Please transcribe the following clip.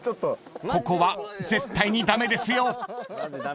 ［ここは絶対に駄目ですよ］